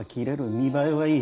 見栄えはいい。